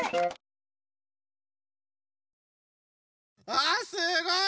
あすごい！